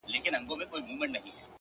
د باران وروسته کوڅه تل نوې ښکاري